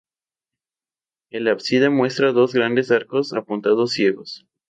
El ábside muestra dos grandes arcos apuntados ciegos.